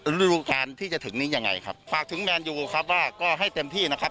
ฤดูการที่จะถึงนี้ยังไงครับฝากถึงแมนยูครับว่าก็ให้เต็มที่นะครับ